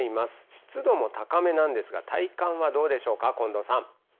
湿度も高めなんですが、体感はどうでしょうか。